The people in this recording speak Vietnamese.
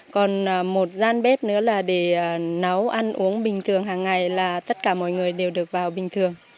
còn một gian bếp nữa là để nấu ăn uống bình thường hàng ngày là tất cả mọi người đều được vào bình thường